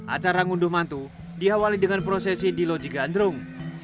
acara ngunduh mantu diawali dengan prosesi di loji gandrung